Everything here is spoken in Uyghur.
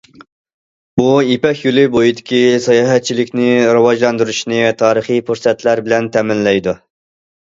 بۇ يىپەك يولى بويىدىكى ساياھەتچىلىكنى راۋاجلاندۇرۇشنى تارىخىي پۇرسەتلەر بىلەن تەمىنلەيدۇ.